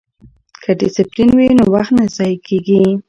که ډسپلین وي نو وخت نه ضایع کیږي.